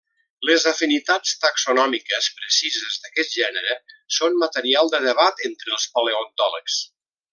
Les afinitats taxonòmiques precises d'aquest gènere són material de debat entre els paleontòlegs.